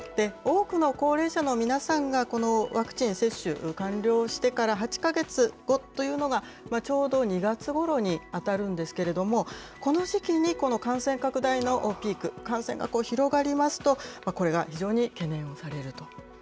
多くの高齢者の皆さんが、このワクチン接種完了してから８か月ごというのが、ちょうど２月ごろに当たるんですけれども、この時期にこの感染拡大のピーク、感染が広がりますと、これが非常に懸念されると。